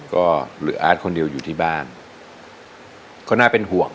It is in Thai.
แต่อาร์ตคนเดียวอยู่ที่บ้านคงเป็นห่วง